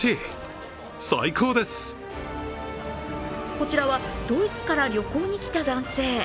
こちらはドイツから旅行に来た男性。